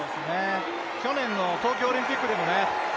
去年の東京オリンピックでもね